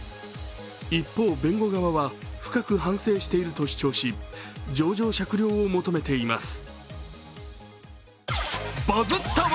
一方、弁護側は深く反省していると主張し情状酌量を求めています。